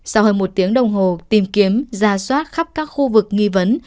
sau hơn một tiếng đồng hồ tìm kiếm ra soát khắp các khu vực nghi vấn